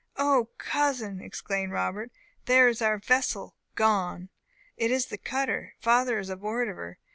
"O, cousin!" exclaimed Robert, "there is our vessel gone! It is the cutter! Father is aboard of her!